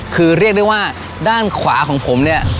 คือเรียกได้ว่าด้านขวาของผมเนี่ย